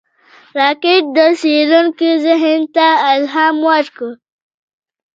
راکټ د څېړونکو ذهن ته الهام ورکړ